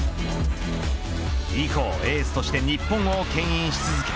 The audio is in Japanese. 以降、エースとして日本をけん引し続け